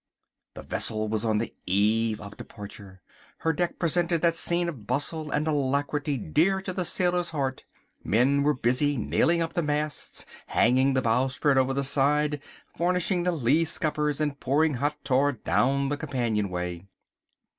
The vessel was on the eve of departure. Her deck presented that scene of bustle and alacrity dear to the sailor's heart. Men were busy nailing up the masts, hanging the bowsprit over the side, varnishing the lee scuppers and pouring hot tar down the companion way.